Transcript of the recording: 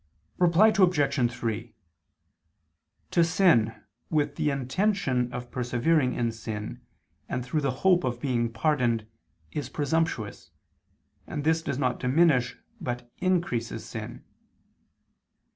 Reply Obj. 3: To sin with the intention of persevering in sin and through the hope of being pardoned, is presumptuous, and this does not diminish, but increases sin.